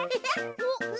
おっ！